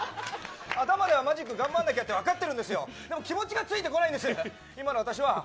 頭ではマジックがんばらなきゃっていうの分かってるんですけど気持ちがついてこないんですよ。